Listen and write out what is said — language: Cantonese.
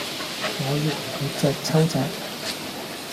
我要同佢隻揪隻